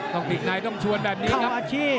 ใช่มั้ยต้องชวนแบบนี้ครับ